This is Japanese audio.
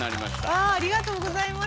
わあありがとうございます。